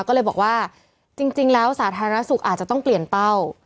ก็เลยบอกว่าจริงแล้วสาธารณสุขอาจจะต้องเปลี่ยนเป้า